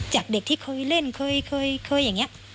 จากเด็กที่เคยเล่นเคยเคยเคยอย่างเนี้ย